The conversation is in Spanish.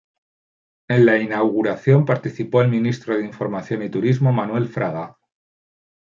En la inauguración participó el Ministro de Información y Turismo, Manuel Fraga.